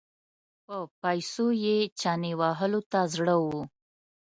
په پیسو یې چنې وهلو ته زړه و.